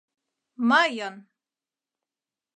Мыйын!..